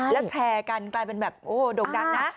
แล้วแชร์กันกลายเป็นแบบโอ้โด่งดังนะ